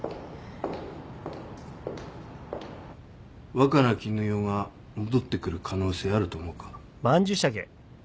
若菜絹代が戻ってくる可能性あると思うか？